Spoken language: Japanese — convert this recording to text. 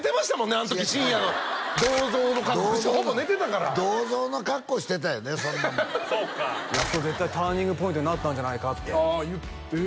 あの時深夜の銅像の格好してほぼ寝てたから銅像の格好してたんやでそうかあそこ絶対ターニングポイントになったんじゃないかってえ！